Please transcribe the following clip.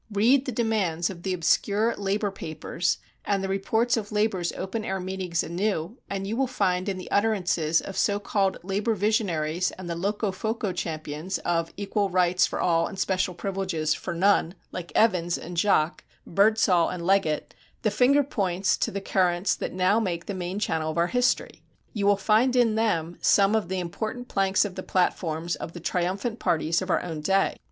Read the demands of the obscure labor papers and the reports of labor's open air meetings anew, and you will find in the utterances of so called labor visionaries and the Locofoco champions of "equal rights for all and special privileges for none," like Evans and Jacques, Byrdsall and Leggett, the finger points to the currents that now make the main channel of our history; you will find in them some of the important planks of the platforms of the triumphant parties of our own day.